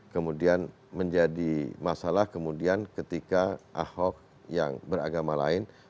kemudian menjadi masalah kemudian ketika ahok yang beragama lain